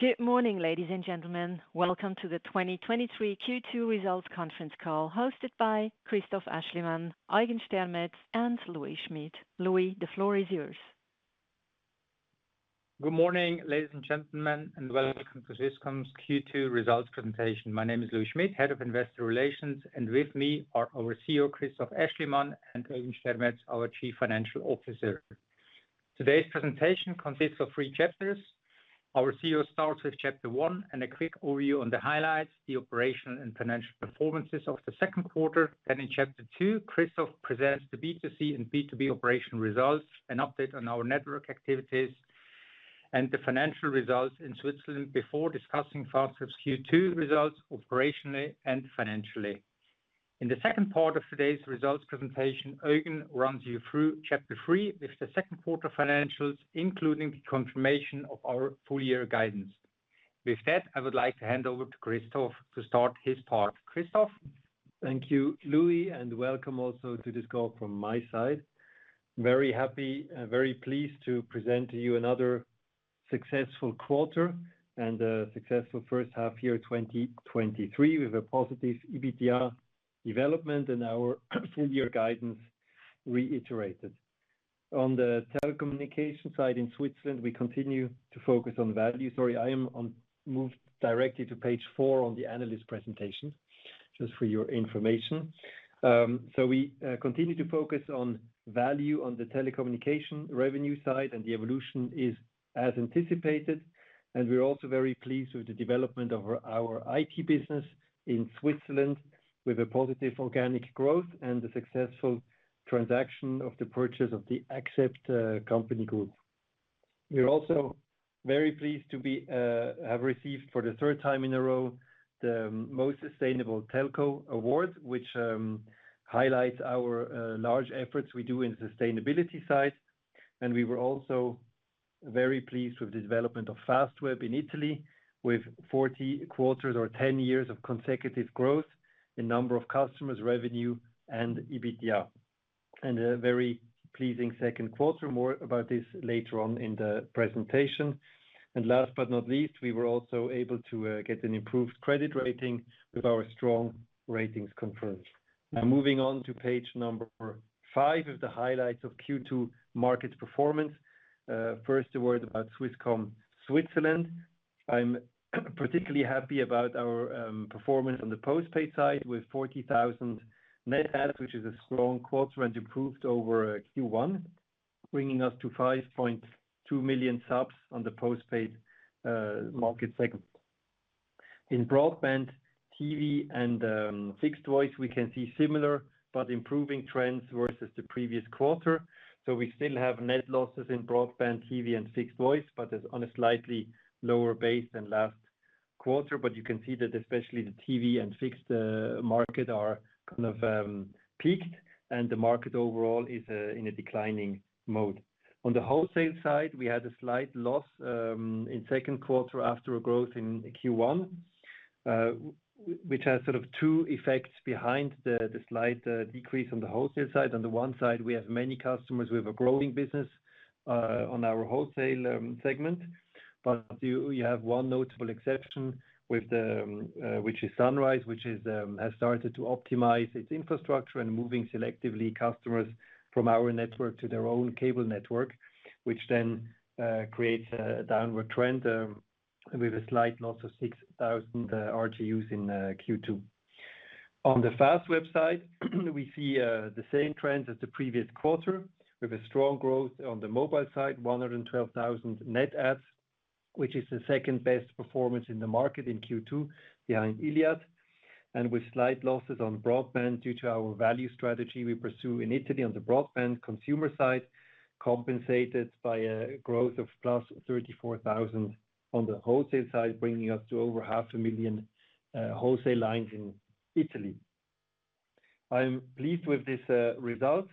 Good morning, ladies and gentlemen. Welcome to the 2023 Q2 results conference call, hosted by Christoph Aeschlimann, Eugen Stermetz, and Louis Schmid. Louis, the floor is yours. Good morning, ladies and gentlemen, welcome to Swisscom's Q2 results presentation. My name is Louis Schmid, Head of Investor Relations, and with me are our CEO, Christoph Aeschlimann, and Eugen Stermetz, our Chief Financial Officer. Today's presentation consists of three chapters. Our CEO starts with chapter one and a quick overview on the highlights, the operational and financial performances of the second quarter. In chapter two, Christoph presents the B2C and B2B operation results, an update on our network activities, and the financial results in Switzerland before discussing Fastweb's Q2 results operationally and financially. In the second part of today's results presentation, Eugen runs you through chapter three, with the second quarter financials, including the confirmation of our full year guidance. With that, I would like to hand over to Christoph to start his part. Christoph? Thank you, Louis. Welcome also to this call from my side. Very happy and very pleased to present to you another successful quarter and a successful first half year, 2023, with a positive EBITDA development and our full year guidance reiterated. On the telecommunication side in Switzerland, we continue to focus on value. Sorry, I am on, moved directly to page four on the analyst presentation, just for your information. We continue to focus on value on the telecommunication revenue side. The evolution is as anticipated. We're also very pleased with the development of our IT business in Switzerland, with a positive organic growth and the successful transaction of the purchase of the Axept company group. We are also very pleased to be have received for the third time in a row, the Most Sustainable Telco award, which highlights our large efforts we do in sustainability side. We were also very pleased with the development of Fastweb in Italy, with 40 quarters or 10 years of consecutive growth in number of customers, revenue, and EBITDA. A very pleasing second quarter. More about this later on in the presentation. Last but not least, we were also able to get an improved credit rating with our strong ratings confirmed. Now, moving on to page number five of the highlights of Q2 market performance. First, a word about Swisscom Switzerland. I'm particularly happy about our performance on the postpaid side, with 40,000 net adds, which is a strong quarter and improved over Q1, bringing us to 5.2 million subs on the postpaid market segment. In broadband TV and fixed voice, we can see similar but improving trends versus the previous quarter. We still have net losses in broadband TV and fixed voice, but it's on a slightly lower base than last quarter. You can see that especially the TV and fixed market are kind of peaked, and the market overall is in a declining mode. On the wholesale side, we had a slight loss in second quarter after a growth in Q1, which has sort of two effects behind the slight decrease on the wholesale side. On the one side, we have many customers with a growing business, on our wholesale, segment, but you, you have one notable exception with the, which is Sunrise, which is, has started to optimize its infrastructure and moving selectively customers from our network to their own cable network, which then, creates a downward trend, with a slight loss of 6,000 RGUs in Q2. On the Fastweb side, we see the same trends as the previous quarter, with a strong growth on the mobile side, 112,000 net adds, which is the second best performance in the market in Q2 behind Iliad, and with slight losses on broadband due to our value strategy we pursue in Italy on the broadband consumer side, compensated by a growth of +34,000 on the wholesale side, bringing us to over 500,000 wholesale lines in Italy. I'm pleased with this result,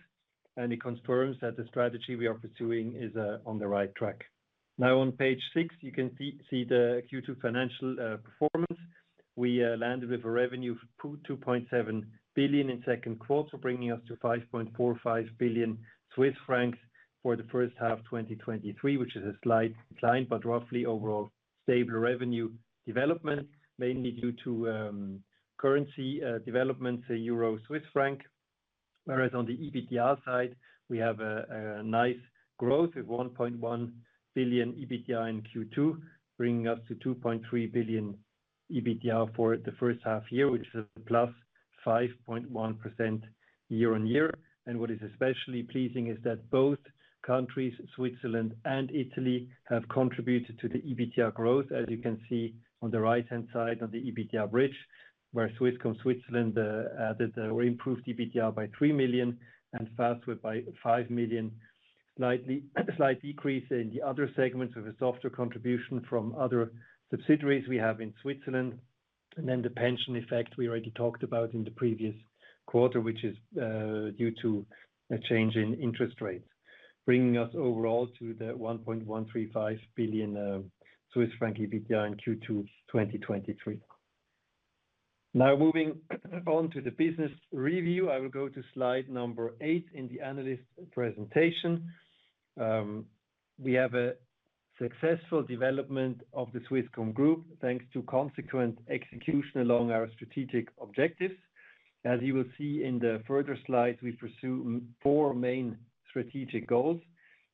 and it confirms that the strategy we are pursuing is on the right track. Now on page six, you can see the Q2 financial performance. We landed with a revenue of 2.7 billion in Q2, bringing us to 5.45 billion Swiss francs for the first half, 2023, which is a slight decline, roughly overall stable revenue development, mainly due to currency developments in euro, Swiss franc. On the EBITDA side, we have a nice growth of 1.1 billion EBITDA in Q2, bringing us to 2.3 billion EBITDA for the first half year, which is a +5.1% year-on-year. What is especially pleasing is that both countries, Switzerland and Italy, have contributed to the EBITDA growth, as you can see on the right-hand side on the EBITDA bridge, where Swisscom Switzerland added or improved EBITDA by 3 million and Fastweb by 5 million. Slightly, slight decrease in the other segments of a softer contribution from other subsidiaries we have in Switzerland. Then the pension effect we already talked about in the previous quarter, which is due to a change in interest rates, bringing us overall to the 1.135 billion Swiss franc EBITDA in Q2 2023. Now moving on to the business review, I will go to slide number eight in the analyst presentation. We have a successful development of the Swisscom group, thanks to consequent execution along our strategic objectives. As you will see in the further slides, we pursue four main strategic goals.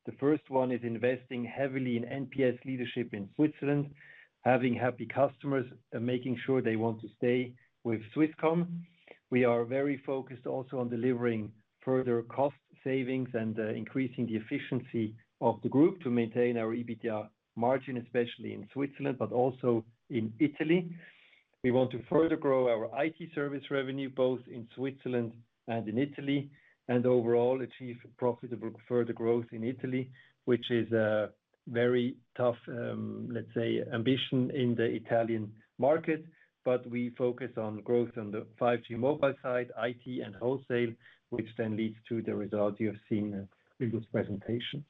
The first one is investing heavily in NPS leadership in Switzerland, having happy customers, and making sure they want to stay with Swisscom. We are very focused also on delivering further cost savings and increasing the efficiency of the group to maintain our EBITDA margin, especially in Switzerland, but also in Italy. We want to further grow our IT service revenue, both in Switzerland and in Italy, and overall achieve profitable further growth in Italy, which is a very tough, let's say, ambition in the Italian market. We focus on growth on the 5G mobile side, IT, and wholesale, which then leads to the results you have seen in this presentation.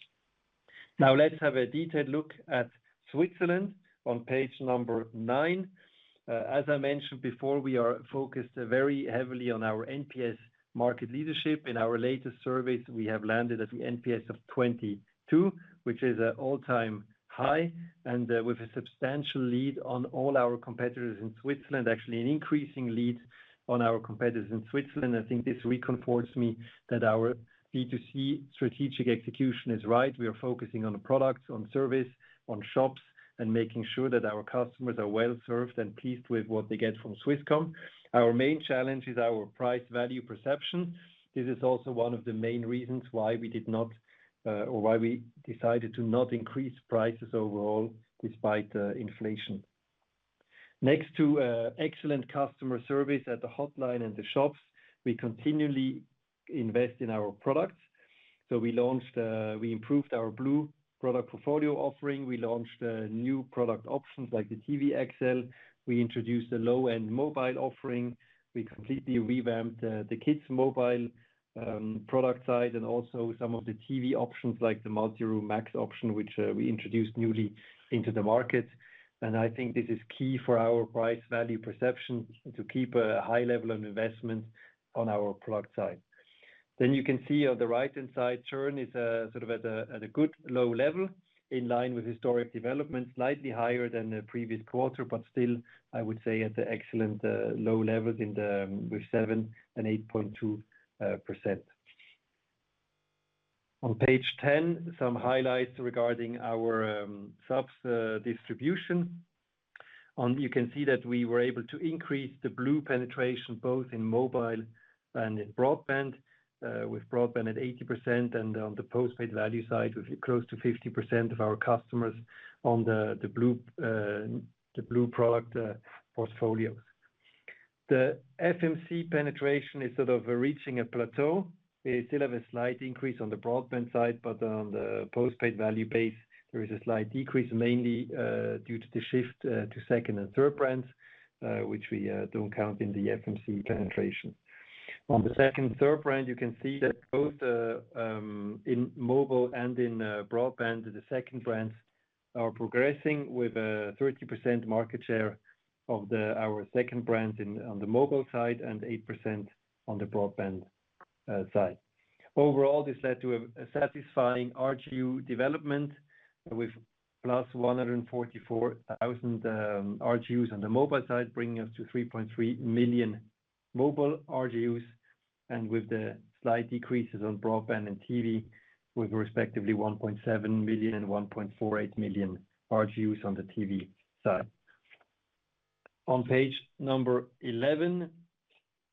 Let's have a detailed look at Switzerland on page nine. As I mentioned before, we are focused very heavily on our NPS market leadership. In our latest surveys, we have landed at the NPS of 22, which is an all-time high, and with a substantial lead on all our competitors in Switzerland. Actually, an increasing lead on our competitors in Switzerland. I think this reconfirms me that our B2C strategic execution is right. We are focusing on the products, on service, on shops, and making sure that our customers are well-served and pleased with what they get from Swisscom. Our main challenge is our price value perception. This is also one of the main reasons why we did not, or why we decided to not increase prices overall despite inflation. Next to excellent customer service at the hotline and the shops, we continually invest in our products. We launched, we improved our blue product portfolio offering. We launched, new product options like the TV XL. We introduced a low-end mobile offering. We completely revamped the kids mobile product side, and also some of the TV options, like the Multi-Room Max option, which we introduced newly into the market. I think this is key for our price value perception, to keep a high level of investment on our product side. You can see on the right-hand side, churn is sort of at a good low level, in line with historic development, slightly higher than the previous quarter, but still, I would say, at the excellent low levels in the, with 7% and 8.2%. On page 10, some highlights regarding our subs distribution. You can see that we were able to increase the Blue penetration, both in mobile and in broadband, with broadband at 80%, and on the postpaid value side, with close to 50% of our customers on the, the Blue, the Blue product portfolios. The FMC penetration is sort of reaching a plateau. We still have a slight increase on the broadband side, but on the postpaid value base, there is a slight decrease, mainly due to the shift to second and third brands, which we don't count in the FMC penetration. On the second, third brand, you can see that both in mobile and in broadband, the second brands are progressing with a 30% market share of the, our second brand in, on the mobile side and 8% on the broadband side. Overall, this led to a satisfying ARPU development with +144,000 ARPUs on the mobile side, bringing us to 3.3 million mobile ARPUs, and with the slight decreases on broadband and TV, with respectively 1.7 million and 1.48 million ARPUs on the TV side. On page number 11,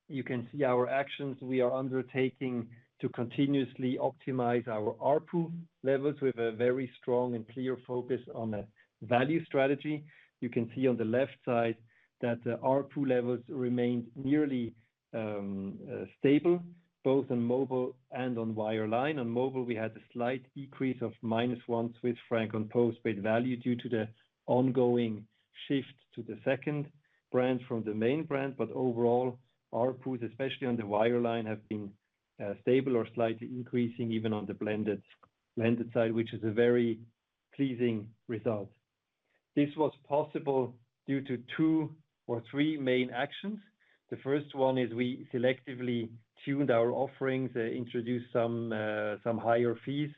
you can see our actions we are undertaking to continuously optimize our ARPU levels with a very strong and clear focus on a value strategy. You can see on the left side that ARPU levels remained nearly stable, both on mobile and on wireline. On mobile, we had a slight decrease of -1 Swiss franc on postpaid value due to the ongoing shift to the second brand from the main brand. Overall, ARPUs, especially on the wireline, have been stable or slightly increasing, even on the blended side, which is a very pleasing result. This was possible due to two or three main actions. The first one is we selectively tuned our offerings, introduced some higher fees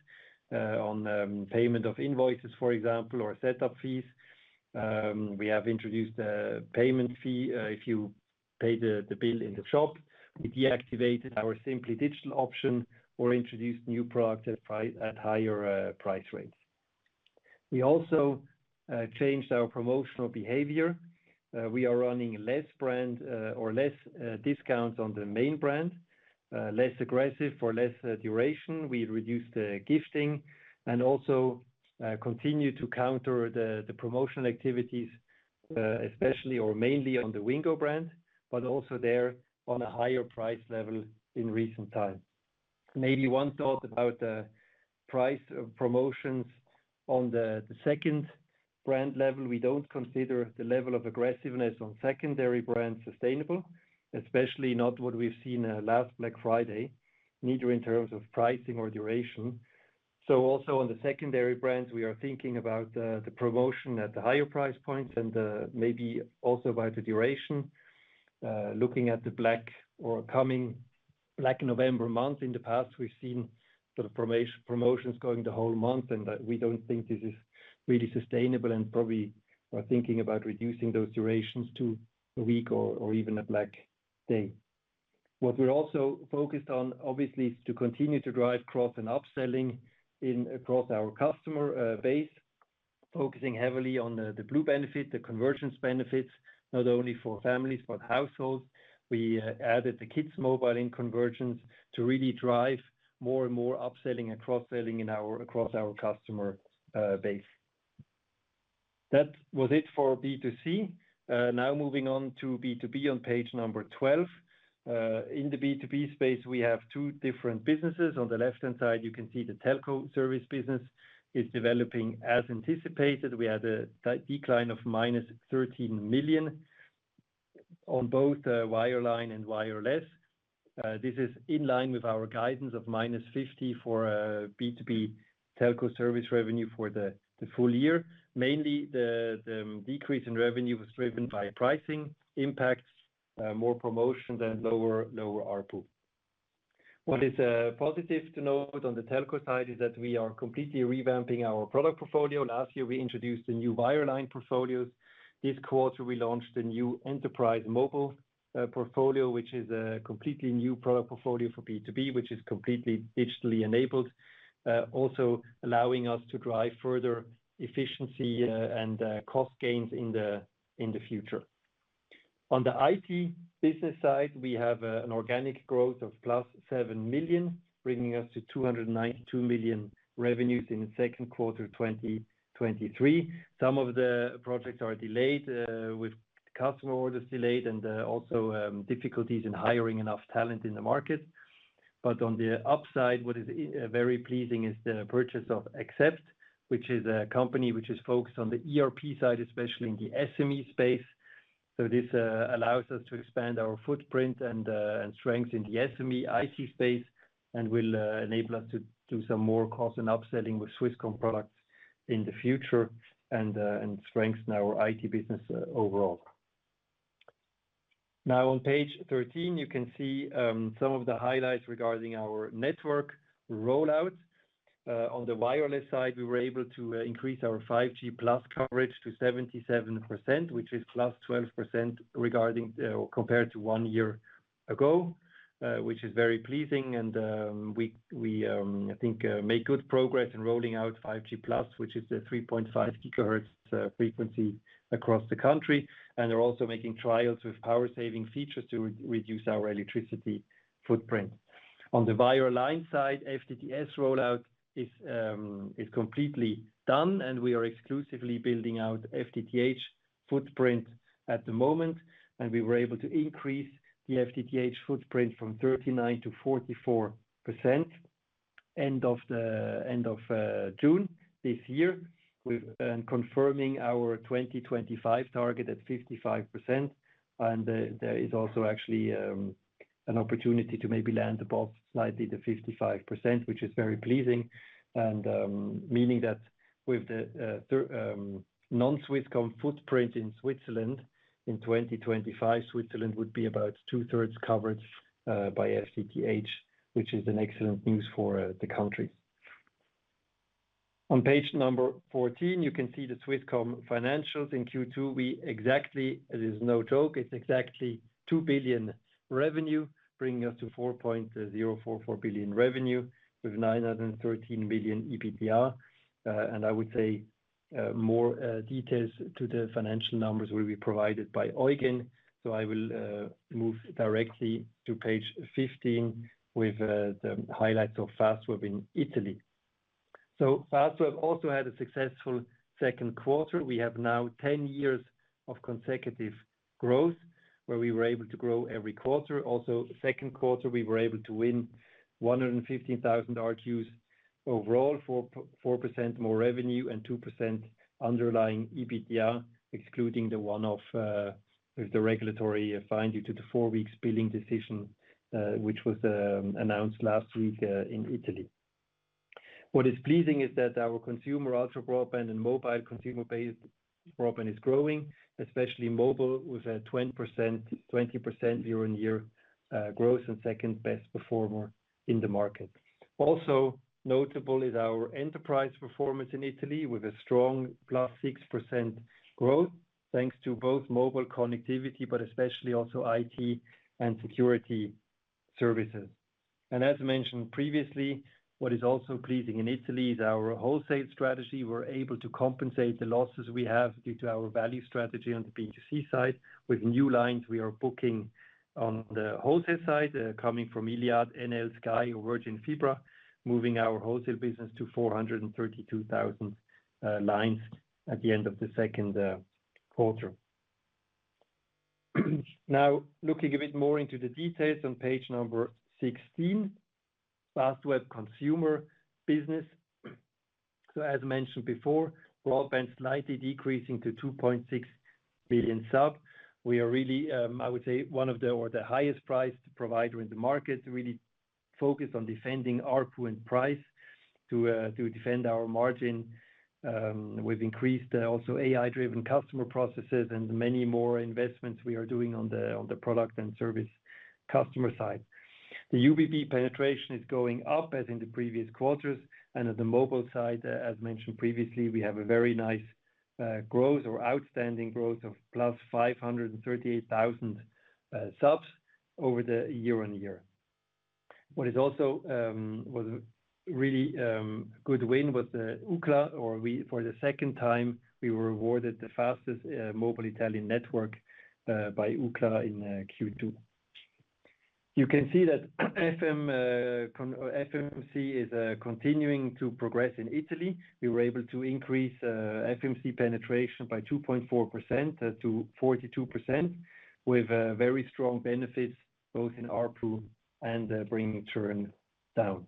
on payment of invoices, for example, or setup fees. We have introduced a payment fee if you pay the bill in the shop. We deactivated our Simply Digital option or introduced new products at higher price rates. We also changed our promotional behavior. We are running less brand or less discounts on the main brand, less aggressive or less duration. We reduced the gifting and also continued to counter the promotional activities, especially or mainly on the Wingo brand, but also there on a higher price level in recent times. Maybe one thought about the price of promotions on the second brand level. We don't consider the level of aggressiveness on secondary brands sustainable. Especially not what we've seen last Black Friday, neither in terms of pricing or duration. Also on the secondary brands, we are thinking about the promotion at the higher price points and maybe also by the duration. Looking at the black or coming Black November month, in the past, we've seen sort of promotions going the whole month, and we don't think this is really sustainable and probably are thinking about reducing those durations to a week or even a black day. What we're also focused on, obviously, is to continue to drive cross and upselling in across our customer base, focusing heavily on the blue benefit, the convergence benefits, not only for families, but households. We added the kids mobile in convergence to really drive more and more upselling and cross-selling across our customer base. That was it for B2C. Moving on to B2B on page 12. In the B2B space, we have two different businesses. On the left-hand side, you can see the telco service business is developing as anticipated. We had a decline of -13 million on both wireline and wireless. This is in line with our guidance of -50 for B2B telco service revenue for the full year. Mainly, the decrease in revenue was driven by pricing impacts, more promotions and lower, lower ARPU. What is positive to note on the telco side is that we are completely revamping our product portfolio. Last year, we introduced the new wireline portfolios. This quarter, we launched a new enterprise mobile portfolio, which is a completely new product portfolio for B2B, which is completely digitally enabled. Also allowing us to drive further efficiency and cost gains in the future. On the IT business side, we have an organic growth of +7 million, bringing us to 292 million revenues in the second quarter, 2023. Some of the projects are delayed, with customer orders delayed and also difficulties in hiring enough talent in the market. On the upside, what is very pleasing is the purchase of Axept, which is a company which is focused on the ERP side, especially in the SME space. This allows us to expand our footprint and strength in the SME IT space, and will enable us to do some more cross and upselling with Swisscom products in the future and strengthen our IT business overall. On page 13, you can see some of the highlights regarding our network rollout. On the wireless side, we were able to increase our 5G plus coverage to 77%, which is +12% regarding compared to one year ago, which is very pleasing. We, we, I think, made good progress in rolling out 5G plus, which is the 3.5 GHz frequency across the country, and are also making trials with power saving features to re-reduce our electricity footprint. On the wireline side, FTTS rollout is completely done, and we are exclusively building out FTTH footprint at the moment, and we were able to increase the FTTH footprint from 39%-44% end of June this year. We've, and confirming our 2025 target at 55%, and there is also actually an opportunity to maybe land above slightly to 55%, which is very pleasing. Meaning that with the non-Swisscom footprint in Switzerland in 2025, Switzerland would be about 2/3 covered by FTTH, which is an excellent news for the country. On page number 14, you can see the Swisscom financials. In Q2, it is no joke, it's exactly 2 billion revenue, bringing us to 4.044 billion revenue with 913 billion EBITDA. More details to the financial numbers will be provided by Eugen. I will move directly to page 15 with the highlights of Fastweb in Italy. Fastweb also had a successful second quarter. We have now 10 years of consecutive growth, where we were able to grow every quarter. Also, second quarter, we were able to win 115,000 RGUs overall, 4% more revenue and 2% underlying EBITDA, excluding the one-off, the regulatory fine due to the four weeks billing decision, which was announced last week in Italy. What is pleasing is that our consumer ultra broadband and mobile consumer-based broadband is growing, especially mobile, with a 20% year-on-year growth and second-best performer in the market. Also notable is our enterprise performance in Italy, with a strong +6% growth, thanks to both mobile connectivity, but especially also IT and security services. As mentioned previously, what is also pleasing in Italy is our wholesale strategy. We're able to compensate the losses we have due to our value strategy on the B2C side. With new lines, we are booking on the wholesale side, coming from Iliad, Enel, Sky, or Virgin Fibra, moving our wholesale business to 432,000 lines at the end of the second quarter. Looking a bit more into the details on page number 16, Fastweb consumer business. As mentioned before, broadband slightly decreasing to 2.6 billion subs. We are really, I would say, or the highest priced provider in the market, really focused on defending ARPU and price to defend our margin. We've increased also AI-driven customer processes and many more investments we are doing on the, on the product and service customer side. The UBB penetration is going up as in the previous quarters, and at the mobile side, as mentioned previously, we have a very nice growth or outstanding growth of +538,000 subs over the year-over-year. What is also was a really good win was the Ookla, or for the second time, we were awarded the fastest mobile Italian network by Ookla in Q2. You can see that FM FMC is continuing to progress in Italy. We were able to increase FMC penetration by 2.4%-42%, with very strong benefits both in ARPU and bringing churn down.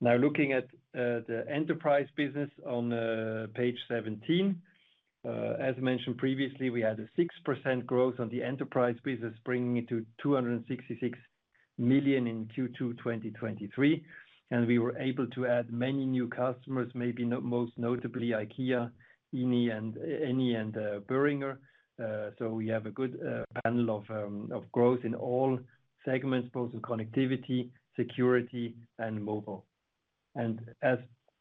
Looking at the enterprise business on page 17. As mentioned previously, we had a 6% growth on the enterprise business, bringing it to 266 million in Q2 2023. We were able to add many new customers, maybe not most notably IKEA, Eni, and Eni and Boehringer. We have a good panel of growth in all segments, both in connectivity, security, and mobile. As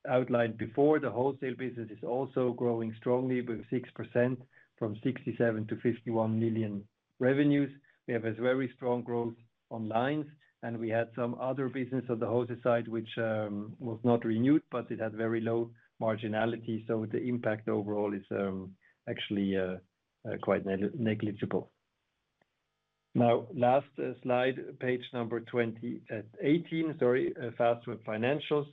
outlined before, the wholesale business is also growing strongly with 6% from 67 million-51 million revenues. We have a very strong growth on lines, and we had some other business on the wholesale side, which was not renewed, but it had very low marginality, so the impact overall is actually quite negligible. Now, last slide, page number 20, 18, sorry. Fastweb financials.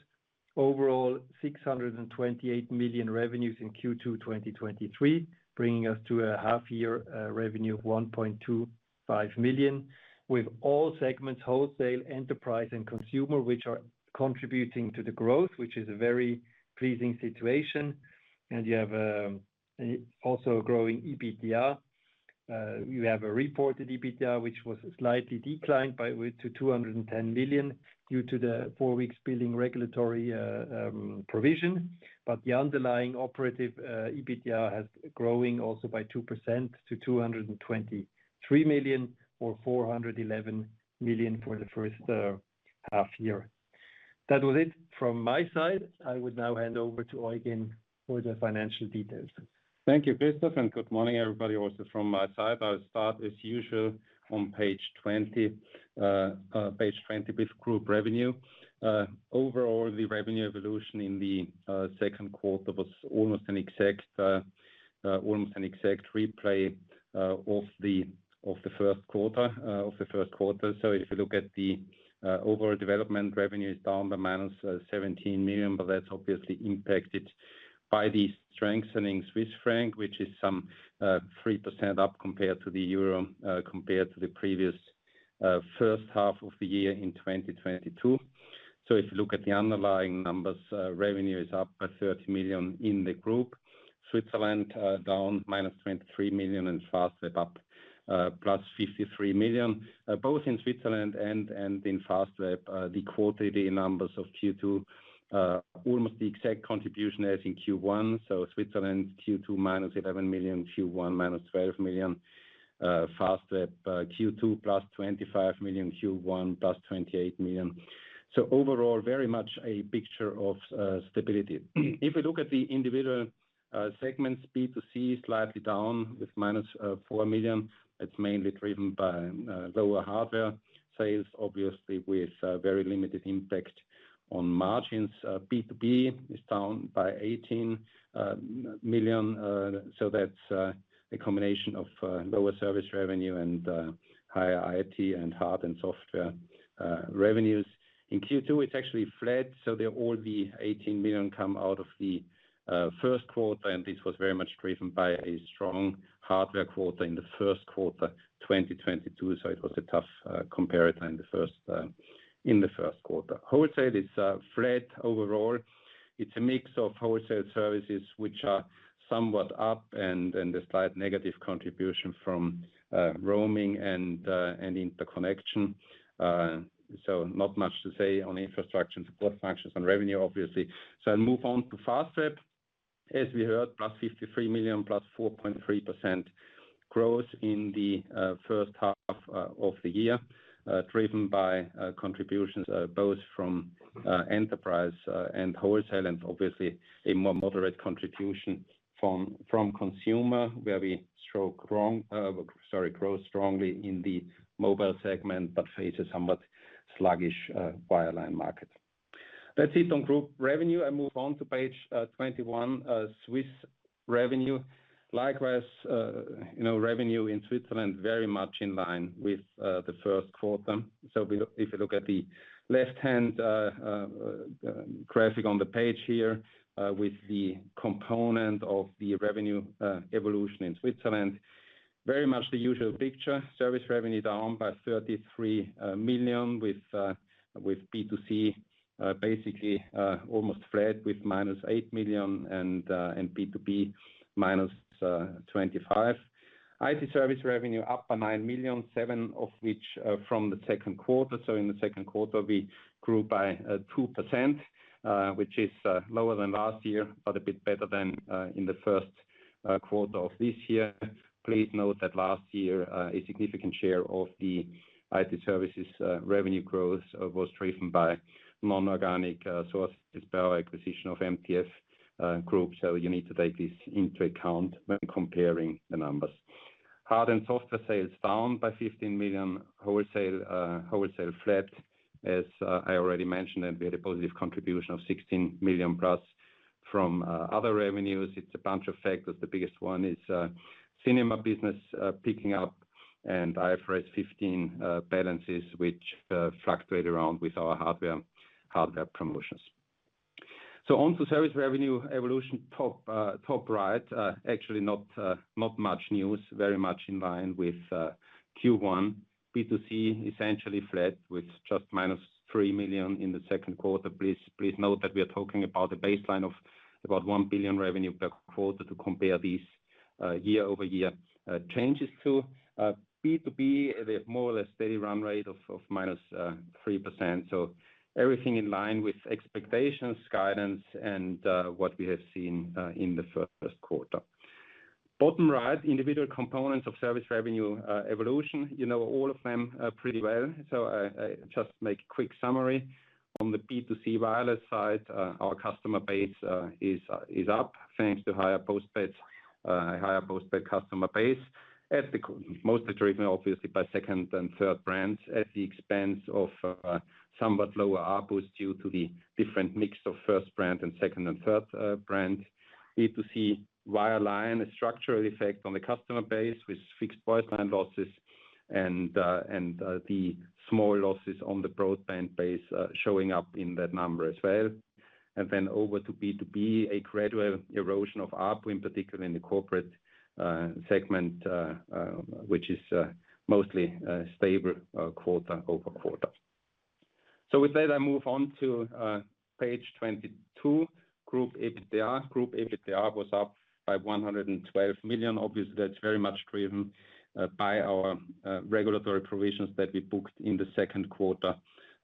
Overall, 628 million revenues in Q2 2023, bringing us to a half year revenue of 1.25 million, with all segments, wholesale, enterprise, and consumer, which are contributing to the growth, which is a very pleasing situation. You have also a growing EBITDA. You have a reported EBITDA, which was slightly declined to 210 million due to the four weeks billing regulatory provision. The underlying operative EBITDA has growing also by 2% to 223 million, or 411 million for the first half year. That was it from my side. I would now hand over to Eugen for the financial details. Thank you, Christoph. Good morning, everybody, also from my side. I'll start as usual on page 20 with group revenue. Overall, the revenue evolution in the second quarter was almost an exact replay of the first quarter. If you look at the overall development, revenue is down by -17 million, but that's obviously impacted by the strengthening Swiss franc, which is some 3% up compared to the euro, compared to the previous first half of the year in 2022. If you look at the underlying numbers, revenue is up by 30 million in the group. Switzerland down -23 million. Fastweb up +53 million. Both in Switzerland and, and in Fastweb, the quarterly numbers of Q2, almost the exact contribution as in Q1. Switzerland, Q2, -11 million, Q1, -12 million. Fastweb, Q2, +25 million, Q1, +28 million. Overall, very much a picture of stability. If we look at the individual segments, B2C is slightly down with -4 million. It's mainly driven by lower hardware sales, obviously with very limited impact on margins. B2B is down by 18 million, so that's a combination of lower service revenue and higher IoT and hard and software revenues. In Q2, it's actually flat, so they're all the 18 million come out of the first quarter, and this was very much driven by a strong hardware quarter in the first quarter, 2022. It was a tough comparator in the first quarter. Wholesale is flat overall. It's a mix of wholesale services, which are somewhat up, and a slight negative contribution from roaming and interconnection. Not much to say on infrastructure and support functions and revenue, obviously. I'll move on to Fastweb. As we heard, +53 million, +4.3% growth in the 1st half of the year, driven by contributions both from Enterprise and Wholesale, and obviously a more moderate contribution from Consumer, where we grow strongly in the mobile segment, but face a somewhat sluggish wireline market. That's it on group revenue. I move on to page 21, Swiss revenue. Likewise, you know, revenue in Switzerland very much in line with the first quarter. If you look at the left-hand graphic on the page here, with the component of the revenue evolution in Switzerland. Very much the usual picture. Service revenue down by 33 million, with B2C basically almost flat, with -8 million, and B2B minus 25 million. IT service revenue up by 9 million, 7 million of which from the second quarter. In the second quarter, we grew by 2%, which is lower than last year, but a bit better than in the first quarter of this year. Please note that last year, a significant share of the IT services revenue growth was driven by non-organic sources by our acquisition of MTF Group. You need to take this into account when comparing the numbers. Hard and software sales down by 15 million. Wholesale, wholesale flat, as I already mentioned, and we had a positive contribution of 16 million+ from other revenues. It's a bunch of factors. The biggest one is cinema business picking up and IFRS 15 balances, which fluctuate around with our hardware, hardware promotions. On to service revenue evolution top, top right. Actually, not much news, very much in line with Q1. B2C essentially flat, with just -3 million in the second quarter. Please, please note that we are talking about a baseline of about 1 billion revenue per quarter to compare these year-over-year changes to B2B, the more or less steady run rate of -3%. Everything in line with expectations, guidance, and what we have seen in the first quarter. Bottom right, individual components of service revenue evolution. You know all of them pretty well, so I just make quick summary. On the B2C wireless side, our customer base is up, thanks to higher postpaid, higher postpaid customer base. Mostly driven, obviously, by second and third brands, at the expense of somewhat lower ARPU, due to the different mix of first brand and second and third brands. B2C wireline, a structural effect on the customer base, with fixed voicemail losses and the small losses on the broadband base, showing up in that number as well. Then over to B2B, a gradual erosion of ARPU, in particular in the corporate segment, which is mostly stable quarter-over-quarter. With that, I move on to page 22. Group EBITDA. Group EBITDA was up by 112 million. Obviously, that's very much driven by our regulatory provisions that we booked in the second quarter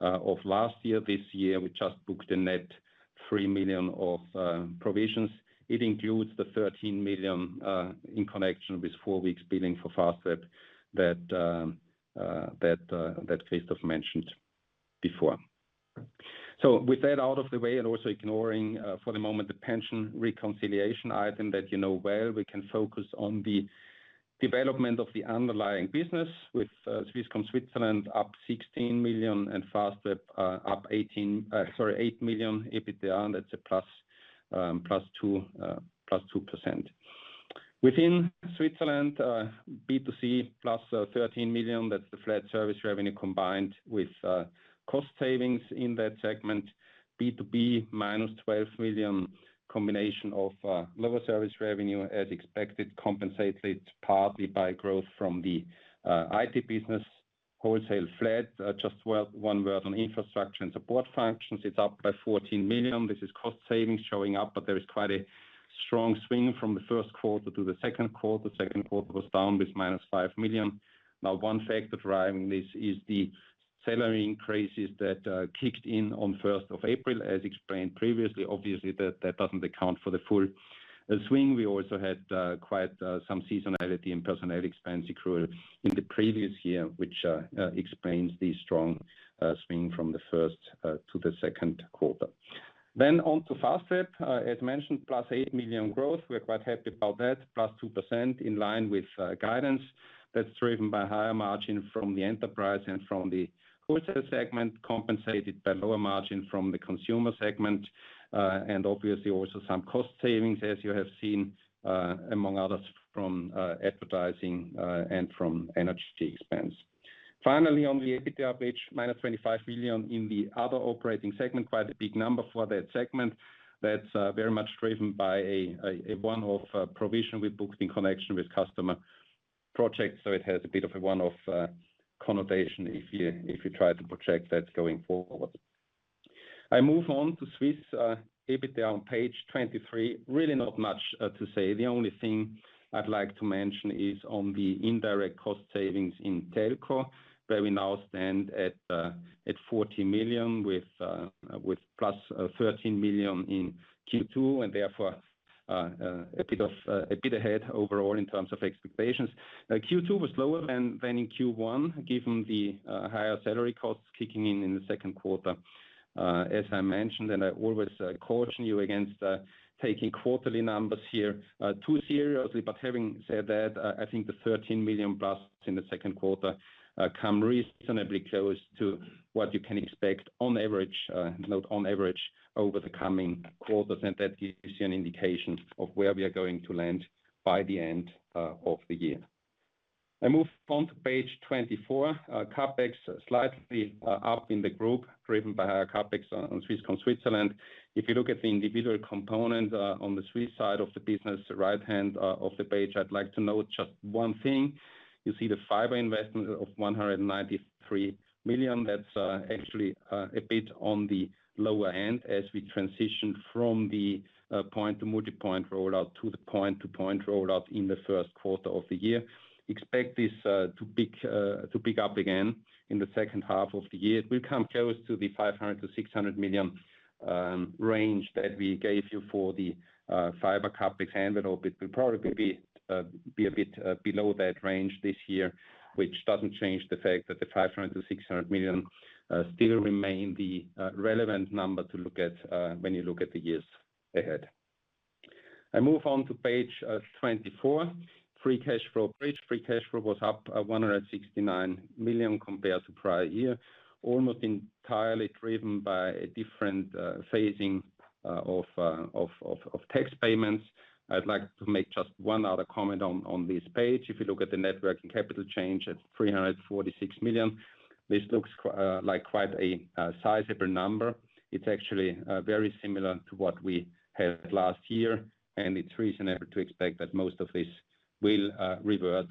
of last year. This year, we just booked a net 3 million of provisions. It includes the 13 million in connection with four weeks billing for Fastweb that Christoph mentioned before. With that out of the way, and also ignoring, for the moment, the pension reconciliation item that you know well, we can focus on the development of the underlying business with Swisscom Switzerland up 16 million and Fastweb up 18, sorry, 8 million EBITDA. That's a +2%. Within Switzerland, B2C, +13 million. That's the flat service revenue combined with cost savings in that segment. B2B, -12 million, combination of lower service revenue as expected, compensated partly by growth from the IT business. Wholesale flat, just well, one word on infrastructure and support functions, it's up by 14 million. This is cost savings showing up, but there is quite a strong swing from the first quarter to the second quarter. Second quarter was down with -5 million. Now, one factor driving this is the salary increases that kicked in on 1st of April, as explained previously. Obviously, that, that doesn't account for the full swing. We also had quite some seasonality in personnel expense accrual in the previous year, which explains the strong swing from the 1st to the 2nd quarter. On to Fastweb. As mentioned, +8 million growth. We're quite happy about that. +2% in line with guidance. That's driven by higher margin from the enterprise and from the wholesale segment, compensated by lower margin from the consumer segment. Obviously, also some cost savings, as you have seen, among others from advertising and from energy expense. Finally, on the EBITDA page, -25 million in the other operating segment. Quite a big number for that segment. That's very much driven by a one-off provision we booked in connection with customer projects. It has a bit of a one-off connotation if you, if you try to project that going forward. I move on to Swiss EBITDA on page 23. Really not much to say. The only thing I'd like to mention is on the indirect cost savings in telco, where we now stand at 40 million, with +13 million in Q2. Therefore, a bit of a bit ahead overall in terms of expectations. Q2 was lower than in Q1, given the higher salary costs kicking in, in the second quarter. As I mentioned, I always caution you against taking quarterly numbers here too seriously. Having said that, I think the 13 million+ in the second quarter come reasonably close to what you can expect on average, note on average, over the coming quarters, and that gives you an indication of where we are going to land by the end of the year. I move on to page 24. CapEx slightly up in the group, driven by higher CapEx on Swisscom Switzerland. If you look at the individual component on the Swiss side of the business, the right hand of the page, I'd like to note just one thing. You see the fiber investment of 193 million. That's actually a bit on the lower end as we transition from the point to multipoint rollout to the point-to-point rollout in the first quarter of the year. Expect this to pick up again in the second half of the year. We've come close to the 500 million-600 million range that we gave you for the fiber CapEx handle, but we'll probably be a bit below that range this year, which doesn't change the fact that the 500 million-600 million still remain the relevant number to look at when you look at the years ahead. I move on to page 24. Free cash flow bridge. Free cash flow was up 169 million compared to prior year, almost entirely driven by a different phasing of tax payments. I'd like to make just one other comment on on this page. If you look at the net working capital change at 346 million, this looks like quite a sizable number. It's actually very similar to what we had last year. It's reasonable to expect that most of this will revert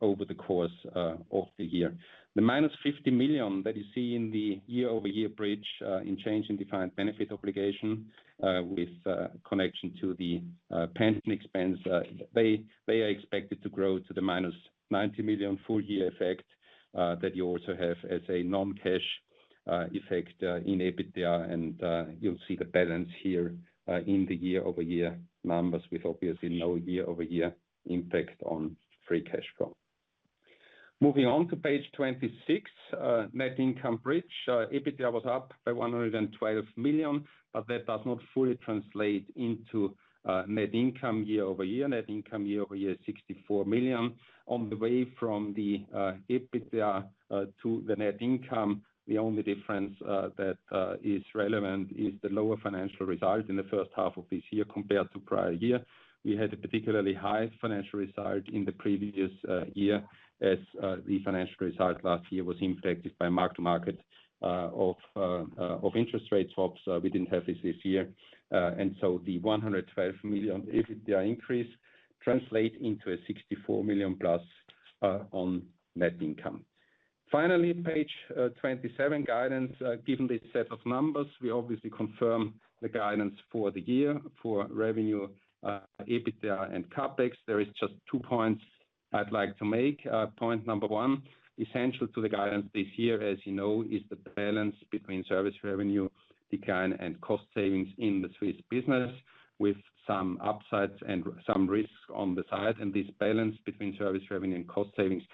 over the course of the year. The -50 million that you see in the year-over-year bridge in change in defined benefit obligation, with connection to the pension expense, they are expected to grow to the -90 million full year effect that you also have as a non-cash effect in EBITDA, and you'll see the balance here in the year-over-year numbers, with obviously no year-over-year impact on free cash flow. Moving on to page 26, net income bridge. EBITDA was up by 112 million, that does not fully translate into net income year-over-year. Net income year-over-year, 64 million. On the way from the EBITDA to the net income, the only difference that is relevant is the lower financial result in the first half of this year compared to prior year. We had a particularly high financial result in the previous year as the financial result last year was impacted by mark-to-market of of interest rate swaps. We didn't have this this year. So the 112 million EBITDA increase translate into a 64 million plus on net income. Finally, page 27, guidance. Given this set of numbers, we obviously confirm the guidance for the year for revenue, EBITDA and CapEx. There is just 2 points I'd like to make. Point number 1, essential to the guidance this year, as you know, is the balance between service revenue decline and cost savings in the Swiss business, with some upsides and some risks on the side. This balance between service revenue and cost savings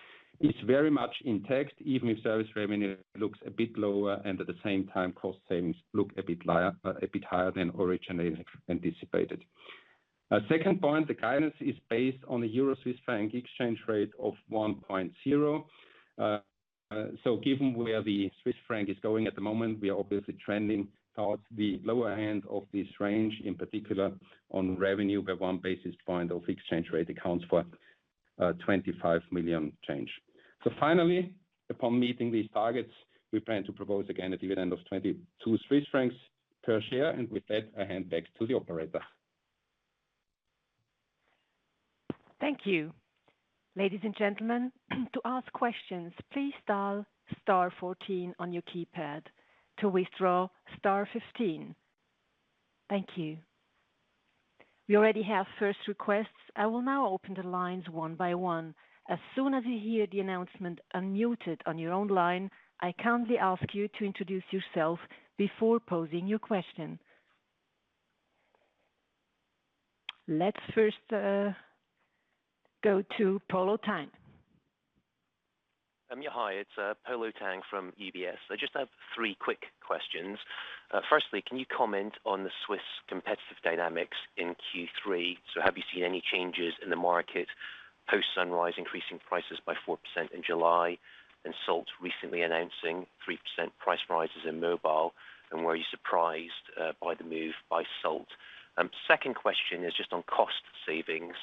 is very much intact, even if service revenue looks a bit lower and at the same time, cost savings look a bit higher, a bit higher than originally anticipated. Second point, the guidance is based on the euro-Swiss franc exchange rate of 1.0. Given where the Swiss franc is going at the moment, we are obviously trending towards the lower end of this range, in particular on revenue, where 1 basis point of exchange rate accounts for 25 million change. Finally, upon meeting these targets, we plan to propose again a dividend of 22 Swiss francs per share. With that, I hand back to the operator. Thank you. Ladies and gentlemen, to ask questions, please dial star 14 on your keypad, to withdraw, star 15. Thank you. We already have first requests. I will now open the lines one by one. As soon as you hear the announcement, "Unmuted," on your own line, I kindly ask you to introduce yourself before posing your question. Let's first go to Polo Tang. Yeah, hi, it's Polo Tang from UBS. I just have three quick questions. Firstly, can you comment on the Swiss competitive dynamics in Q3? Have you seen any changes in the market, post Sunrise increasing prices by 4% in July, and Salt recently announcing 3% price rises in mobile, and were you surprised by the move by Salt? Second question is just on cost savings.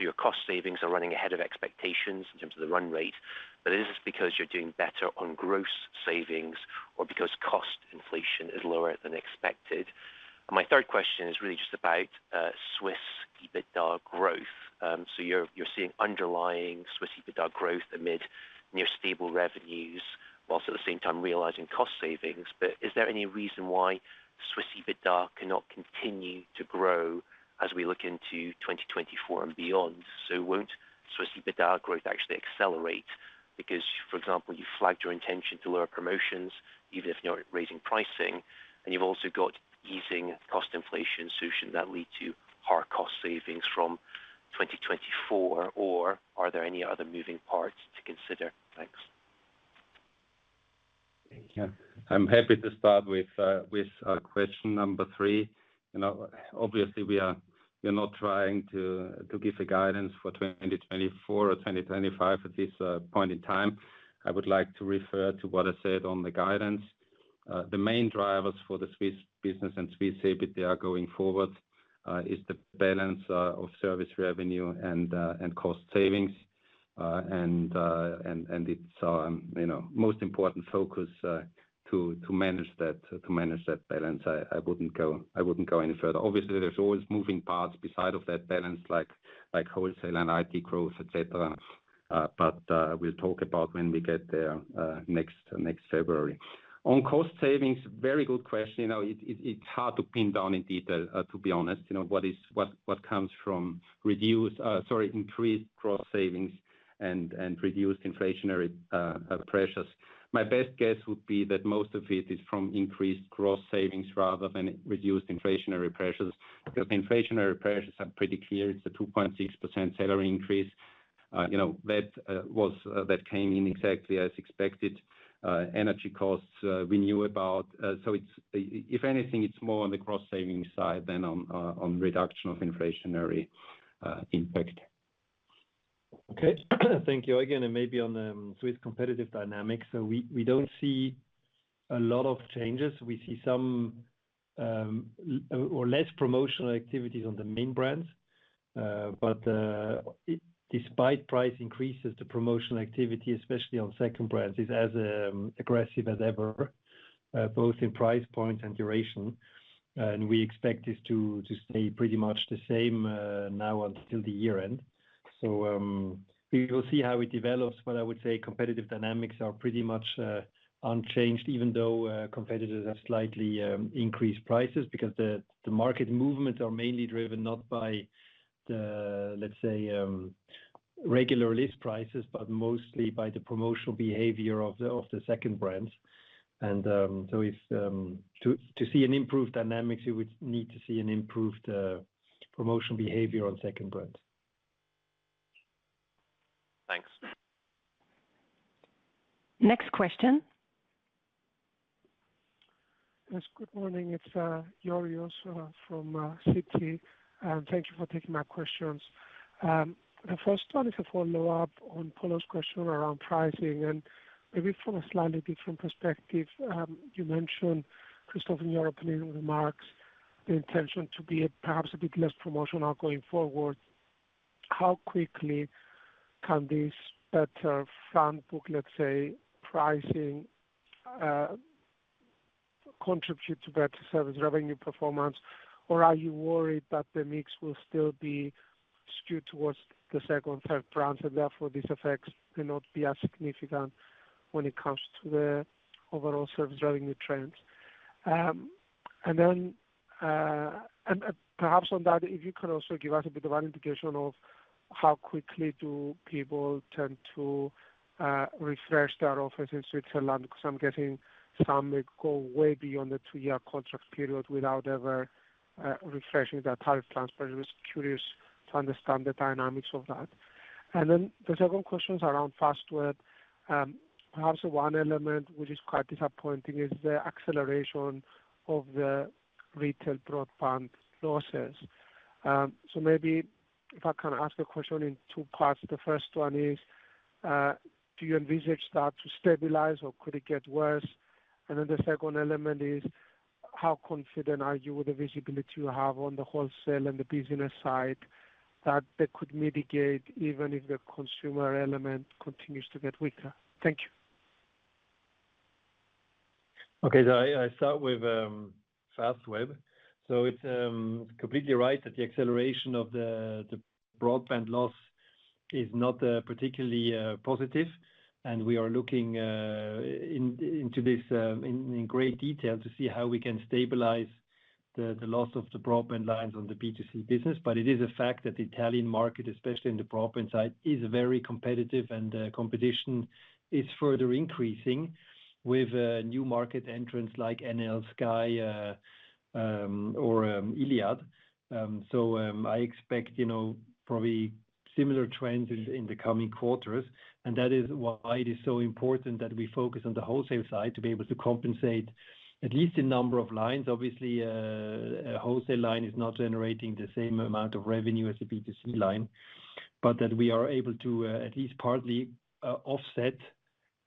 Your cost savings are running ahead of expectations in terms of the run rate, but is this because you're doing better on gross savings or because cost inflation is lower than expected? My third question is really just about Swiss EBITDA growth. You're, you're seeing underlying Swiss EBITDA growth amid near stable revenues, whilst at the same time realizing cost savings. Is there any reason why Swiss EBITDA cannot continue to grow as we look into 2024 and beyond? Won't Swiss EBITDA growth actually accelerate? Because, for example, you flagged your intention to lower promotions, even if you're not raising pricing, and you've also got easing cost inflation. Should that lead to higher cost savings from 2024, or are there any other moving parts to consider? Thanks. Yeah. I'm happy to start with question three. You know, obviously, we are, we're not trying to, to give a guidance for 2024 or 2025 at this point in time. I would like to refer to what I said on the guidance.... the main drivers for the Swiss business and Swiss IT are going forward, is the balance of service revenue and cost savings. And it's, you know, most important focus to manage that, to manage that balance. I wouldn't go, I wouldn't go any further. Obviously, there's always moving parts beside that balance, like wholesale and IT growth, et cetera. We'll talk about when we get there next February. On cost savings, very good question. You know, it's hard to pin down in detail, to be honest. You know, what comes from reduced, sorry, increased cost savings and reduced inflationary pressures. My best guess would be that most of it is from increased cost savings rather than reduced inflationary pressures. The inflationary pressures are pretty clear. It's a 2.6% salary increase. You know, that was that came in exactly as expected. Energy costs, we knew about. It's, if anything, it's more on the cross-savings side than on reduction of inflationary impact. Okay. Thank you again, maybe on the Swiss competitive dynamics. We, we don't see a lot of changes. We see some or less promotional activities on the main brands. Despite price increases, the promotional activity, especially on second brands, is as aggressive as ever, both in price point and duration. We expect this to, to stay pretty much the same now until the year end. We will see how it develops, but I would say competitive dynamics are pretty much unchanged, even though competitors have slightly increased prices. The market movements are mainly driven not by the, let's say, regular list prices, but mostly by the promotional behavior of the second brands. If to see an improved dynamics, you would need to see an improved promotional behavior on second brands. Thanks. Next question. Yes, good morning, it's Georgios from Citi. Thank you for taking my questions. The first one is a follow-up on Polo's question around pricing and maybe from a slightly different perspective. You mentioned, Christoph, in your opening remarks, the intention to be perhaps a bit less promotional going forward. How quickly can this better front book, let's say, pricing, contribute to better service revenue performance? Are you worried that the mix will still be skewed towards the second, third brands, and therefore these effects may not be as significant when it comes to the overall service revenue trends? Perhaps on that, if you could also give us a bit of an indication of how quickly do people tend to refresh their office in Switzerland, because I'm getting some may go way beyond the two-year contract period without ever refreshing their tariff plans. I was curious to understand the dynamics of that. The second question is around Fastweb. Perhaps the one element which is quite disappointing is the acceleration of the retail broadband losses. Maybe if I can ask a question in two parts. The first one is, do you envisage that to stabilize, or could it get worse? The second element is: How confident are you with the visibility you have on the wholesale and the business side, that they could mitigate, even if the consumer element continues to get weaker? Thank you. Okay, I, I start with Fastweb. It's completely right that the acceleration of the, the broadband loss is not particularly positive, and we are looking in, into this in, in great detail to see how we can stabilize the, the loss of the broadband lines on the B2C business. But it is a fact that the Italian market, especially in the broadband side, is very competitive, and the competition is further increasing with new market entrants like Enel, Sky, or Iliad. I expect, you know, probably similar trends in, in the coming quarters, and that is why it is so important that we focus on the wholesale side to be able to compensate at least the number of lines. Obviously, a wholesale line is not generating the same amount of revenue as a B2C line. That we are able to, at least partly, offset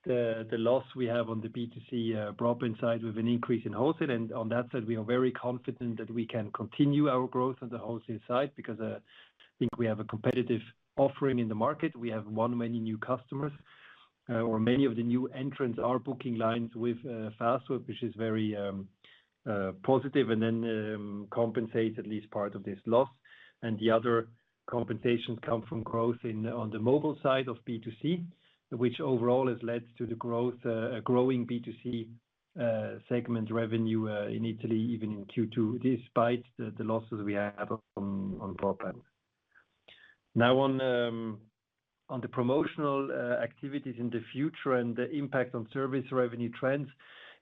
the loss we have on the B2C broadband side with an increase in wholesale. On that side, we are very confident that we can continue our growth on the wholesale side, because I think we have a competitive offering in the market. We have won many new customers, or many of the new entrants are booking lines with Fastweb, which is very positive, and then compensate at least part of this loss. The other compensation come from growth in, on the mobile side of B2C, which overall has led to the growth, a growing B2C segment revenue, in Italy, even in Q2, despite the losses we have on broadband. On the promotional activities in the future and the impact on service revenue trends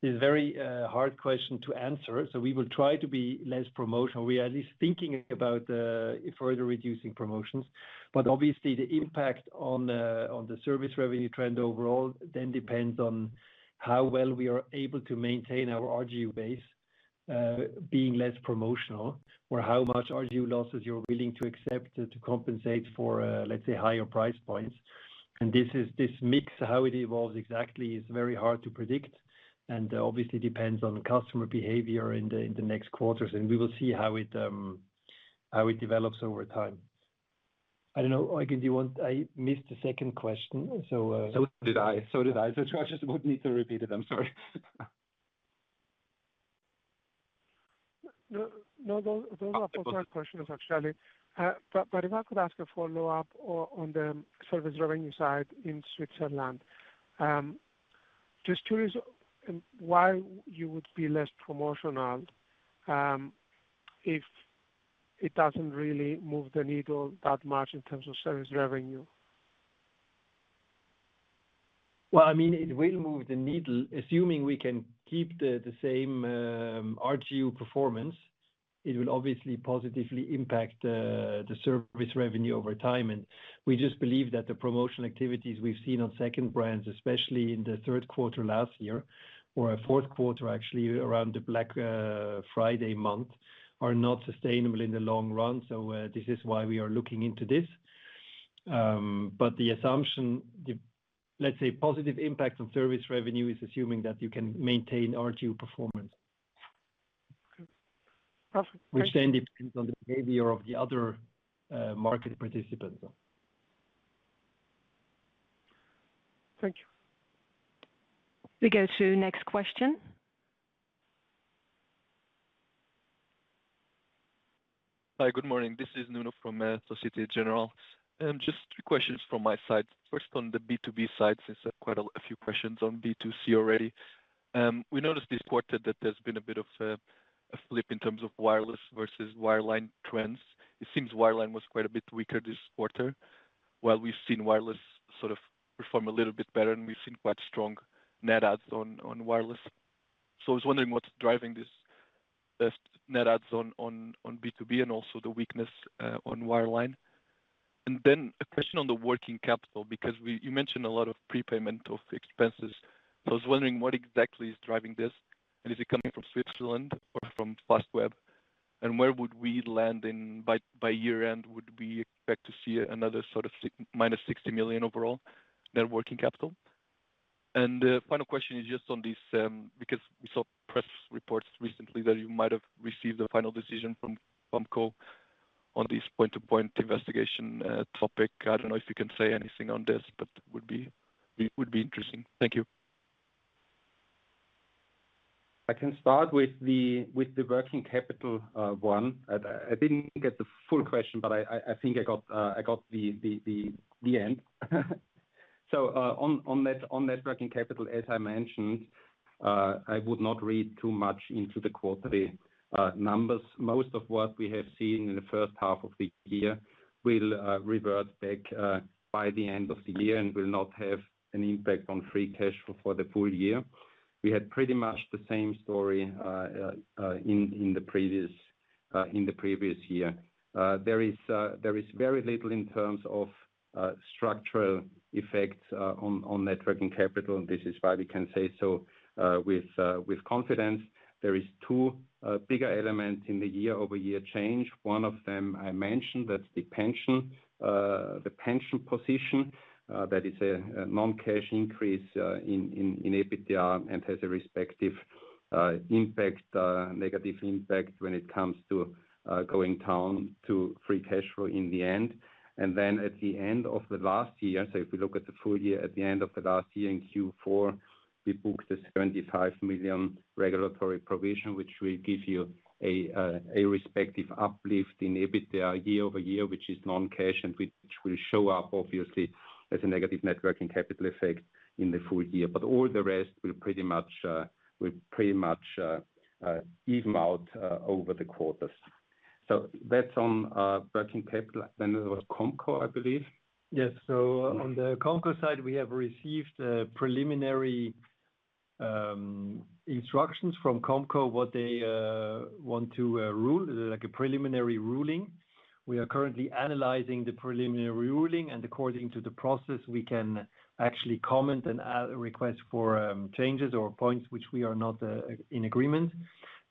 is very hard question to answer. We will try to be less promotional. We are at least thinking about further reducing promotions, but obviously the impact on the service revenue trend overall then depends on how well we are able to maintain our RGU base being less promotional, or how much RGU losses you're willing to accept to compensate for, let's say, higher price points. This is, this mix, how it evolves exactly is very hard to predict, and obviously depends on customer behavior in the, in the next quarters. We will see how it develops over time. I don't know, Eiken, do you want. I missed the second question, so. So did I. So did I. Could I just would need to repeat it. I'm sorry. No, no, those, those are both questions actually. But if I could ask a follow-up on, on the service revenue side in Switzerland. Just curious, why you would be less promotional, if it doesn't really move the needle that much in terms of service revenue? Well, I mean, it will move the needle. Assuming we can keep the, the same RGU performance, it will obviously positively impact the, the service revenue over time. We just believe that the promotional activities we've seen on second brands, especially in the third quarter last year, or a fourth quarter, actually, around the Black Friday month, are not sustainable in the long run. This is why we are looking into this. The assumption, let's say, positive impact on service revenue is assuming that you can maintain RGU performance. Okay. Perfect. Which then depends on the behavior of the other market participants. Thank you. We go to next question. Hi, good morning. This is Nuno from Société Générale. Just three questions from my side. First, on the B2B side, since quite a few questions on B2C already. We noticed this quarter that there's been a bit of a flip in terms of wireless versus wireline trends. It seems wireline was quite a bit weaker this quarter, while we've seen wireless sort of perform a little bit better, and we've seen quite strong net adds on wireless. I was wondering what's driving this net adds on B2B and also the weakness on wireline? Then a question on the working capital, because you mentioned a lot of prepayment of expenses. I was wondering what exactly is driving this, and is it coming from Switzerland or from Fastweb? Where would we land in... by year end, would we expect to see another sort of -60 million overall net working capital? The final question is just on this, because we saw press reports recently that you might have received a final decision from Comco on this point-to-point investigation topic. I don't know if you can say anything on this, but it would be, it would be interesting. Thank you. I can start with the working capital, one. I didn't get the full question, but I think I got the end. On net working capital, as I mentioned, I would not read too much into the quarterly numbers. Most of what we have seen in the first half of the year will revert back by the end of the year and will not have an impact on free cash flow for the full year. We had pretty much the same story in the previous year. There is very little in terms of structural effects on net working capital, and this is why we can say so with confidence. There is two bigger elements in the year-over-year change. One of them I mentioned, that's the pension, the pension position, that is a, a non-cash increase in, in, in EBITDA and has a respective impact, negative impact when it comes to going down to free cash flow in the end. Then at the end of the last year, so if we look at the full year, at the end of the last year, in Q4, we booked a 75 million regulatory provision, which will give you a respective uplift in EBITDA year-over-year, which is non-cash, and which will show up obviously as a negative net working capital effect in the full year. All the rest will pretty much, will pretty much, even out over the quarters. That's on working capital. there was Comco, I believe. Yes. On the Comco side, we have received preliminary instructions from Comco, what they want to rule, like a preliminary ruling. We are currently analyzing the preliminary ruling. According to the process, we can actually comment and add a request for changes or points which we are not in agreement.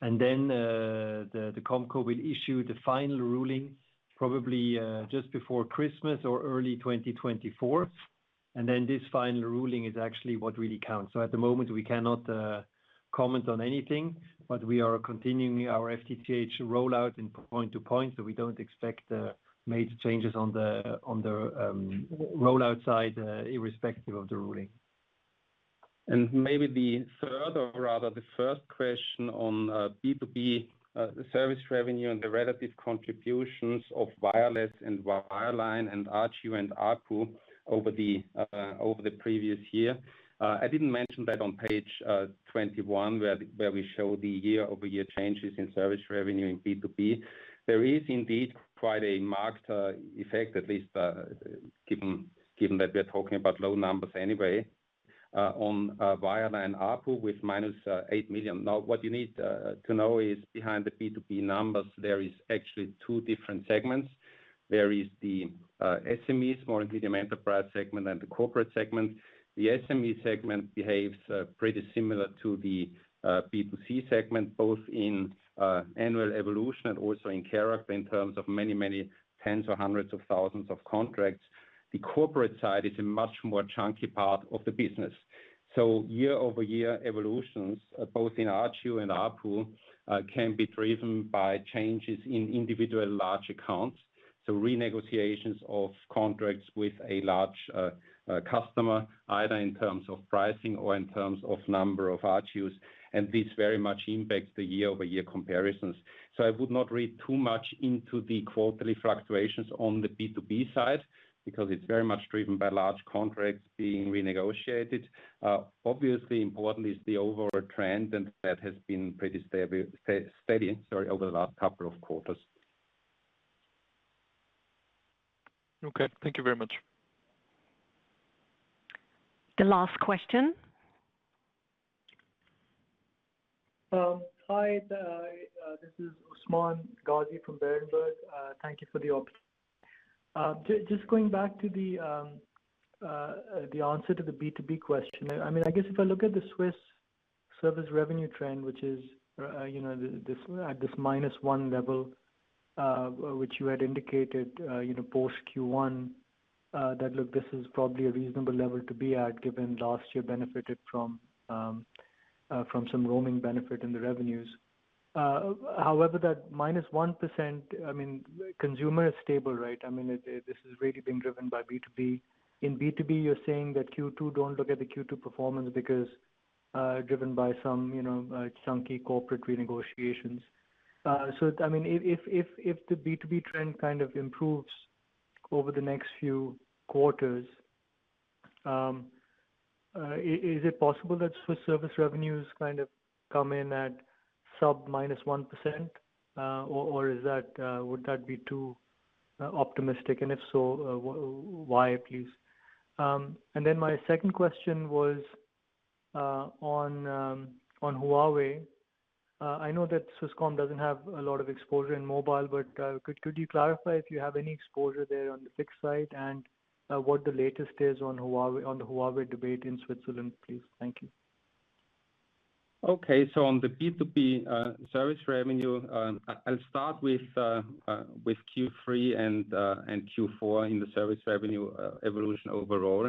The Comco will issue the final ruling, probably just before Christmas or early 2024. This final ruling is actually what really counts. At the moment, we cannot comment on anything, but we are continuing our FTTH rollout in point to point, so we don't expect major changes on the rollout side, irrespective of the ruling. Maybe the third, or rather the first question on B2B service revenue and the relative contributions of wireless and wireline and RGU and ARPU over the over the previous year. I didn't mention that on page 21, where, where we show the year-over-year changes in service revenue in B2B. There is indeed quite a marked effect, at least, given, given that we're talking about low numbers anyway.... on wireline ARPU with -8 million. Now, what you need to know is behind the B2B numbers, there is actually two different segments. There is the SMEs, small and medium enterprise segment, and the corporate segment. The SME segment behaves pretty similar to the B2C segment, both in annual evolution and also in character in terms of many, many tens or hundreds of thousands of contracts. The corporate side is a much more chunky part of the business. Year-over-year evolutions, both in ARPU and ARPU, can be driven by changes in individual large accounts. Renegotiations of contracts with a large customer, either in terms of pricing or in terms of number of ARPUs, and this very much impacts the year-over-year comparisons. I would not read too much into the quarterly fluctuations on the B2B side, because it's very much driven by large contracts being renegotiated. Obviously, importantly, is the overall trend, and that has been pretty steady, sorry, over the last couple of quarters. Okay, thank you very much. The last question. Hi, this is Usman Ghazi from Berenberg. Thank you for the opportunity. Just going back to the answer to the B2B question. I mean, I guess if I look at the Swiss service revenue trend, which is, you know, at this minus one level, which you had indicated, you know, post Q1, that, look, this is probably a reasonable level to be at, given last year benefited from some roaming benefit in the revenues. However, that -1%, I mean, consumer is stable, right? I mean, this is really being driven by B2B. In B2B, you're saying that Q2, don't look at the Q2 performance because, driven by some, you know, chunky corporate renegotiations. I mean, if, if, if, if the B2B trend kind of improves over the next few quarters, is it possible that Swiss service revenues kind of come in at sub minus 1%? Is that, would that be too optimistic? If so, why, please? My second question was on Huawei. I know that Swisscom doesn't have a lot of exposure in mobile, could you clarify if you have any exposure there on the fixed side, what the latest is on the Huawei debate in Switzerland, please? Thank you. Okay. On the B2B service revenue, I'll start with Q3 and Q4 in the service revenue evolution overall.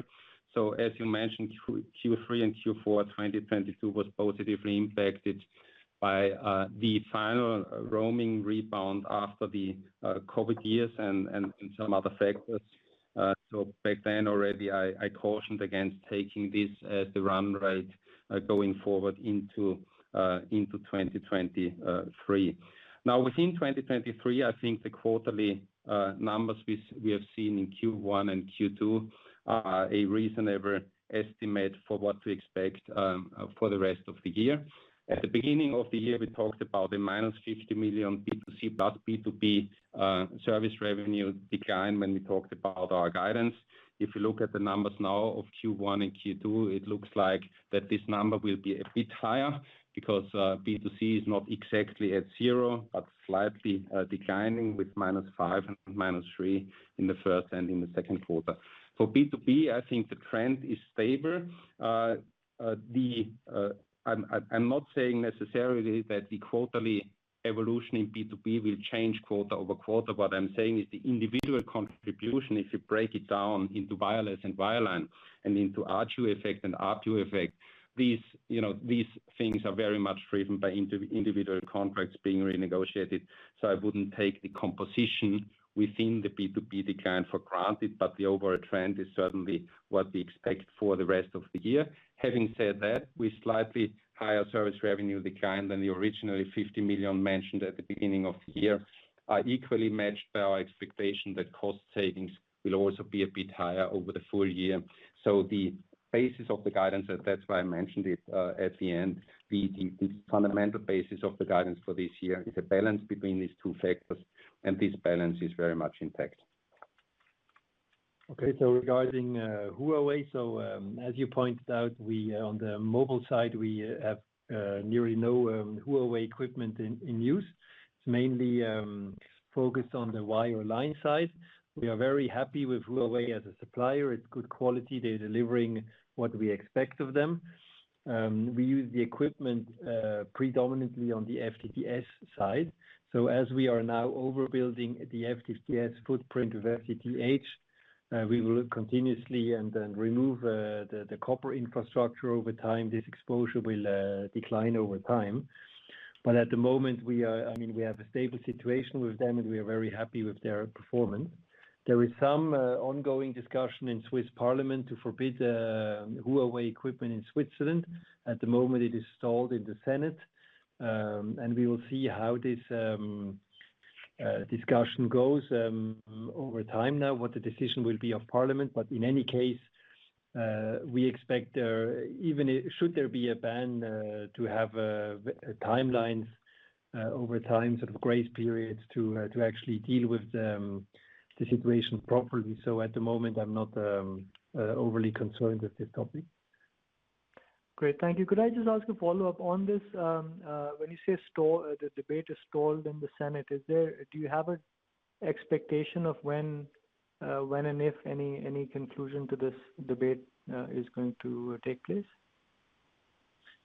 As you mentioned, Q3 and Q4, 2022 was positively impacted by the final roaming rebound after the COVID years and some other factors. Back then already, I cautioned against taking this as the run rate going forward into 2023. Now, within 2023, I think the quarterly numbers we have seen in Q1 and Q2 are a reasonable estimate for what to expect for the rest of the year. At the beginning of the year, we talked about a -50 million B2C plus B2B service revenue decline when we talked about our guidance. If you look at the numbers now of Q1 and Q2, it looks like that this number will be a bit higher because B2C is not exactly at zero, but slightly declining with -5% and -3% in the first and in the second quarter. For B2B, I think the trend is stable. I'm not saying necessarily that the quarterly evolution in B2B will change quarter over quarter. What I'm saying is the individual contribution, if you break it down into wireless and wireline and into ARPU effect and ARPU effect, these, you know, these things are very much driven by individual contracts being renegotiated. I wouldn't take the composition within the B2B decline for granted, but the overall trend is certainly what we expect for the rest of the year. Having said that, with slightly higher service revenue decline than the originally 50 million mentioned at the beginning of the year, are equally matched by our expectation that cost savings will also be a bit higher over the full year. The basis of the guidance, and that's why I mentioned it, at the end, the fundamental basis of the guidance for this year is a balance between these two factors, and this balance is very much intact. Okay. Regarding Huawei, as you pointed out, we on the mobile side, we have nearly no Huawei equipment in use. It's mainly focused on the wireline side. We are very happy with Huawei as a supplier. It's good quality. They're delivering what we expect of them. We use the equipment predominantly on the FTTS side. As we are now overbuilding the FTTS footprint with TTH, we will continuously and then remove the copper infrastructure over time. This exposure will decline over time. At the moment, we are I mean, we have a stable situation with them, and we are very happy with their performance. There is some ongoing discussion in Swiss Parliament to forbid Huawei equipment in Switzerland. At the moment, it is stalled in the Senate. We will see how this discussion goes over time now, what the decision will be of Parliament. In any case, we expect there, even if... Should there be a ban, to have timelines over time, sort of grace periods to actually deal with the situation properly. At the moment, I'm not overly concerned with this topic. Great, thank you. Could I just ask a follow-up on this? When you say stalled, the debate is stalled in the Senate, do you have an expectation of when, when and if any, any conclusion to this debate, is going to take place?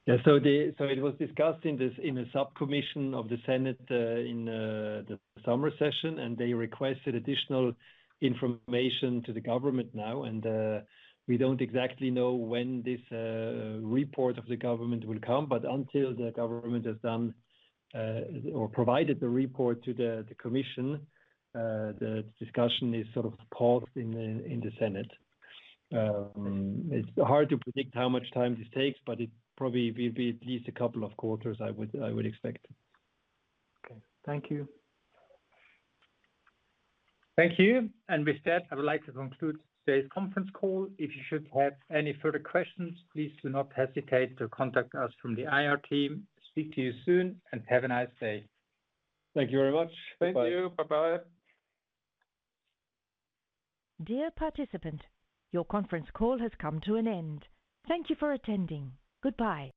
Yeah, it was discussed in this, in a sub-commission of the Senate, in the summer session. They requested additional information to the government now. We don't exactly know when this report of the government will come. Until the government has done, or provided the report to the commission, the discussion is sort of paused in the Senate. It's hard to predict how much time this takes, but it probably will be at least a couple of quarters, I would, I would expect. Okay. Thank you. Thank you. With that, I would like to conclude today's conference call. If you should have any further questions, please do not hesitate to contact us from the IR team. Speak to you soon, and have a nice day. Thank you very much. Thank you. Bye-bye. Dear participant, your conference call has come to an end. Thank you for attending. Goodbye.